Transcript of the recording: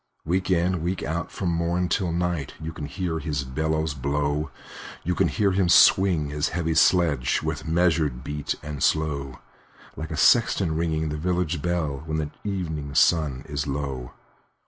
Week in, week out, from morn till night, You can hear his bellows blow; You can hear him swing his heavy sledge, With measured beat and slow, Like a sexton ringing the village bell, When the evening sun is low.